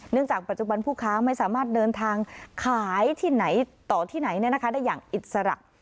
จากปัจจุบันผู้ค้าไม่สามารถเดินทางขายที่ไหนต่อที่ไหนได้อย่างอิสระ